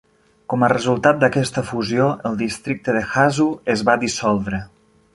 Com a resultat d"aquesta fusió, el districte de Hazu es va dissoldre.